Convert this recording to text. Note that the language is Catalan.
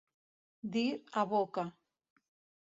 Dir a boca.